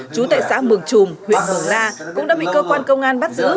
chú tệ xã mường trùm huyện mường la cũng đã bị cơ quan công an bắt giữ